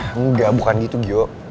enggak bukan gitu gio